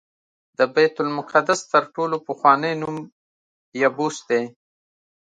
د بیت المقدس تر ټولو پخوانی نوم یبوس دی.